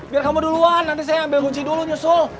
biar kamu duluan nanti saya ambil kunci dulu nyusul